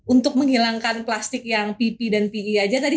untuk menghilangkan plastik yang pipi dan pi aja tadi